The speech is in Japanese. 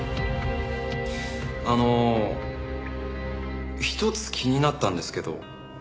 あの一つ気になったんですけど。